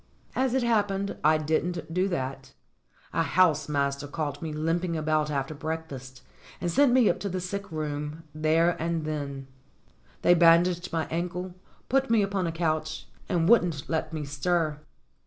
As it happened I didn't do that. A house master caught me limping about after breakfast and sent me up to the sick room there and then. They bandaged my ankle, put me upon a couch, and wouldn't let me stir.